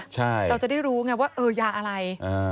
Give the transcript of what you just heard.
เราจะได้รู้ไงว่าเออยาอะไร